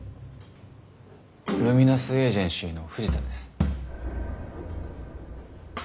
ルミナスエージェンシーの藤田です。